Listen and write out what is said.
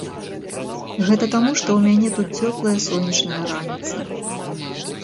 Гэта таму, што ў мяне тут цёплая сонечная раніца.